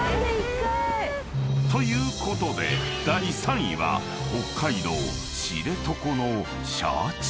［ということで第３位は北海道知床のシャチ］